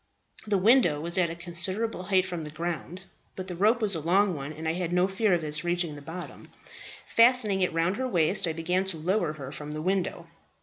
The window was at a considerable height from the ground; but the rope was a long one, and I had no fear of its reaching the bottom. Fastening it round her waist, I began to lower her from the window.